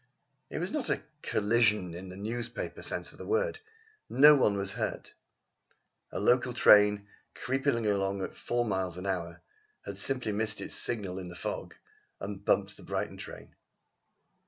It was not a collision in the newspaper sense of the word. No one was hurt. A local train, creeping along at four miles an hour, had simply missed its signal in the fog and bumped the Brighton train.